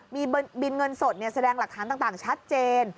มีบินเงินสดแสดงหลักฐานต่างชัดเจน